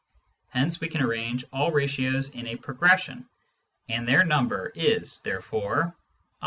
Hence we can arrange all ratios in a progression, and their number is therefore M